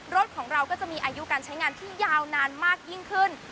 รถของเราก็จะมีอายุการใช้งานที่ยาวนานมากยิ่งขึ้น